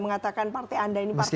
mengatakan partai anda ini partai